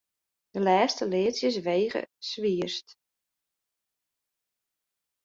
De lêste leadsjes weage swierst.